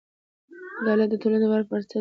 عدالت د ټولنې د باور بنسټ دی.